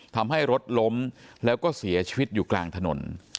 ทำให้รถล้มแล้วก็เสียชีวิตอยู่กลางถนน